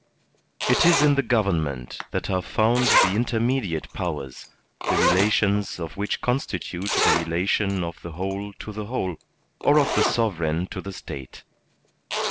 It is in the government that are found the intermediate powers, the relations of which constitute the relation of the whole to the whole, or of the sovereign to the State.